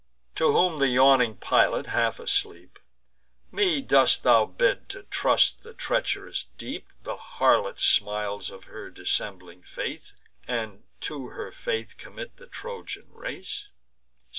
To whom the yawning pilot, half asleep: "Me dost thou bid to trust the treach'rous deep, The harlot smiles of her dissembling face, And to her faith commit the Trojan race?